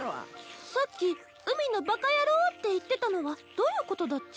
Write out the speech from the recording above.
さっき海のバカヤロッ！って言ってたのはどういうことだっちゃ？